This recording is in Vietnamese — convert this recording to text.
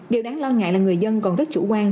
điều đáng lo ngại là người dân còn rất chủ quan